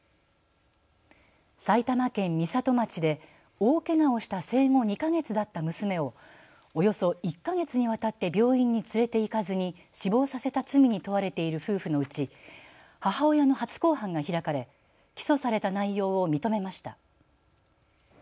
埼玉県美里町で大けがをした生後２か月だった娘をおよそ１か月にわたって病院に連れて行かずに死亡させた罪に問われている夫婦のうち母親の初公判が開かれ起訴された内容を認めました。